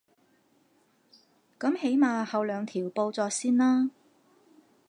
噉起碼後兩條報咗先啦